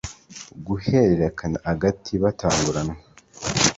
guhererekanya agati batanguranwa,